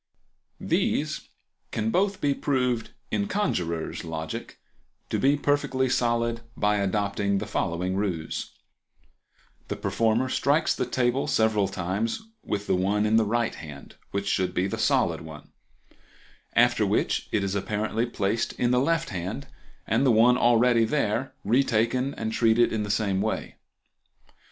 These can both be proved, in conjurer's logic, to be perfectly solid by adopting the following ruse:— The performer strikes the table several times with the one in the right hand, which should be the solid one, after which it is apparently placed in the left hand, and the one already there taken and treated in the same way.